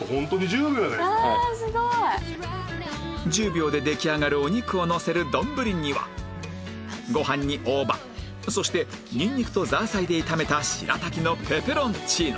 １０秒で出来上がるお肉をのせる丼にはご飯に大葉そしてにんにくとザーサイで炒めた白滝のペペロンチーノ